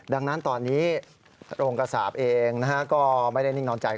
ดังนั้นตอนนี้โรงกษาพเองนะฮะ